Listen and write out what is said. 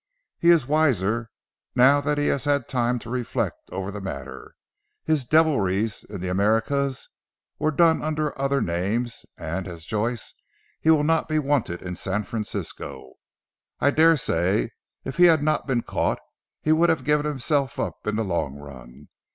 He is wiser, now that he has had time to reflect over the matter. His devilries in the Americas were done under other names, and as Joyce he will not be wanted in San Francisco. I daresay if he had not been caught he would have given himself up in the long run.